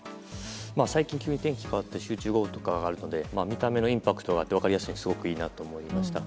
最近、急に天気が変わったり集中豪雨があるので見た目のインパクトがあって分かりやすくてすごくいいなと思いました。